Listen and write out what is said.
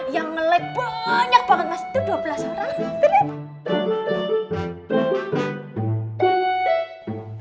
yang nge like banyak banget mas